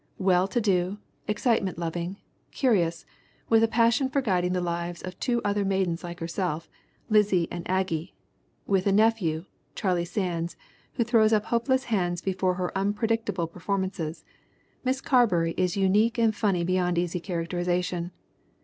Well to do, excite ment loving, curious, with a passion for guiding the lives of two other maidens like herself, Lizzie and Aggie; with a nephew, Charlie Sands, who throws up hopeless hands before her unpredictable perform ances, Miss Carberry is unique and funny beyond easy characterization.